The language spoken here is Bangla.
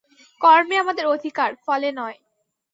কর্মে আমাদের অধিকার, ফলে নয়।